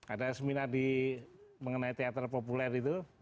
ada seminar mengenai teater populer itu